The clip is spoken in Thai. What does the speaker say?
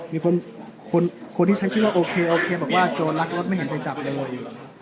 มีคนที่ใช้ชื่อว่าโอเคโอเคบอกว่าโจรรักรถไม่เห็นไปจับเลย